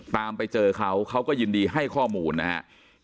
ตามไปเจอเขาเขาก็ยินดีให้ข้อมูลนะครับ